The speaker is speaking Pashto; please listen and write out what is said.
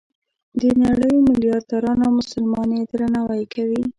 د نړۍ ملیاردونو مسلمانان یې درناوی کوي.